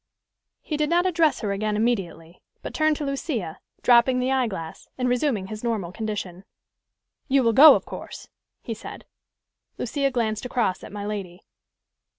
He did not address her again immediately, but turned to Lucia, dropping the eyeglass, and resuming his normal condition. "You will go, of course?" he said. Lucia glanced across at my lady.